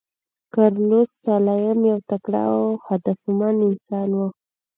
کارلوس سلایم یو تکړه او هدفمند انسان و.